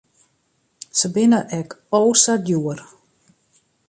Se binne ek o sa djoer.